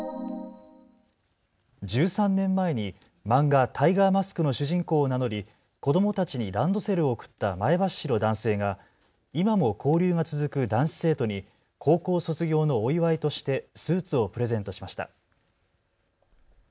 １３年前に漫画タイガーマスクの主人公を名乗り子どもたちにランドセルを贈った前橋市の男性が今も交流が続く男子生徒に高校卒業のお祝いとしてスーツをプレゼントしました。